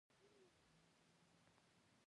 پښتون، تاجک او هزاره سره وروڼه دي